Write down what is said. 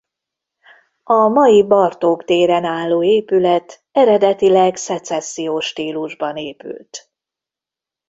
A mai Bartók téren álló épület eredetileg szecessziós stílusban épült.